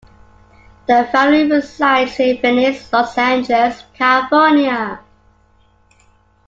The family resides in Venice, Los Angeles, California.